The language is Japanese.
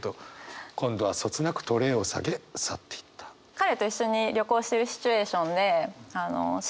彼と一緒に旅行してるシチュエーションでＣＡさんが「ミート？